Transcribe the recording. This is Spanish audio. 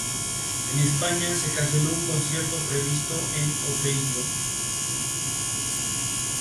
Se encuentran en Asia Central: las montañas del Pamir.